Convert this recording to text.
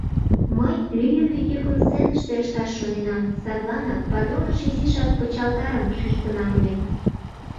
Мый лӱйымӧ йӱкым сценыште ышташ шоненам, садланак патроныш изишак пычалтарым шӱшкынам ыле.